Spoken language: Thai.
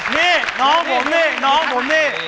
นี่น้องผมนี่น้องผมนี่